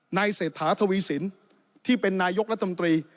เศรษฐาทวีสินที่เป็นนายกรัฐมนตรี